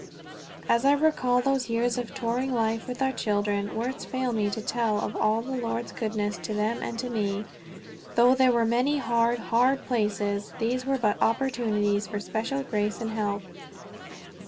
As I recall those years of touring life with our children, words fail me to tell of all the Lord's goodness to them and to me. Though there were many hard, hard places, these were but opportunities for special grace and help.